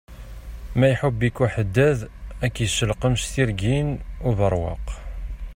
Ma iḥubb-ik uḥeddad, ak iselqem s tirgin ubeṛwaq.